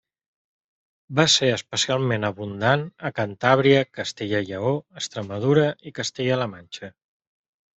Va ser especialment abundant a Cantàbria, Castella i Lleó, Extremadura i Castella-la Manxa.